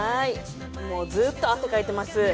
ずっと汗かいてます。